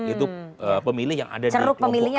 itu pemilih yang ada di kelompok